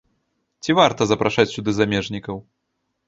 Ці варта запрашаць сюды замежнікаў?